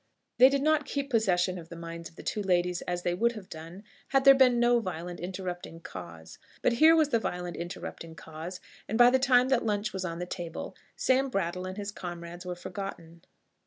They did not keep possession of the minds of the two ladies as they would have done had there been no violent interrupting cause. But here was the violent interrupting cause, and by the time that lunch was on the table, Sam Brattle and his comrades were forgotten.